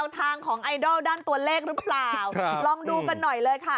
ทางของไอดอลด้านตัวเลขหรือเปล่าลองดูกันหน่อยเลยค่ะ